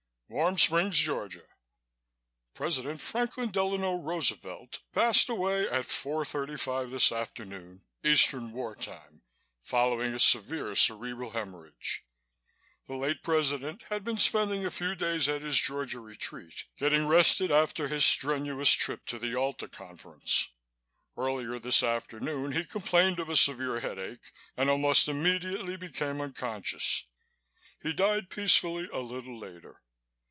"Warm Springs, Georgia. President Franklin Delano Roosevelt passed away at four thirty five this afternoon, Eastern War Time, following a severe cerebral hemorrhage. The late President had been spending a few days at his Georgia retreat getting rested after his strenuous trip to the Yalta Conference. Earlier this afternoon he complained of a severe headache and almost immediately became unconscious. He died peacefully a little later.